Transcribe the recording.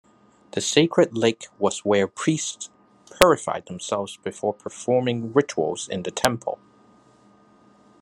The sacred lake was where priests purified themselves before performing rituals in the temple.